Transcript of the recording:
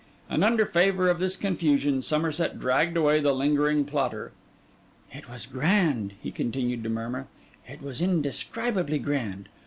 And under favour of this confusion, Somerset dragged away the lingering plotter. 'It was grand,' he continued to murmur: 'it was indescribably grand.